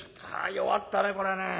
「弱ったねこれね」。